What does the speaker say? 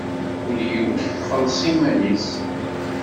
Mkul yiwet txelleṣ iman-is.